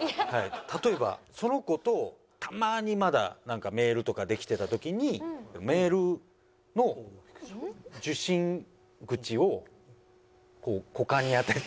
例えばその子とたまにまだメールとかできてた時にメールの受信口をこう股間に当てて。